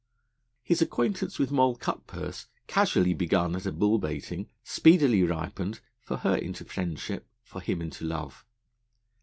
His acquaintance with Moll Cutpurse, casually begun at a bull baiting, speedily ripened, for her into friendship, for him into love.